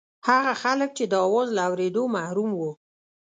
هغه خلک چې د اواز له اورېدو محروم وو.